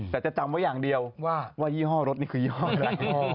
แต่จะจำไว้อย่างเดียวว่ายี่ห้อรถนี่คือยี่ห้ออะไรยี่ห้อ